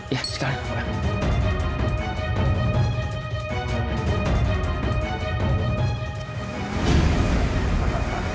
ya sekarang pak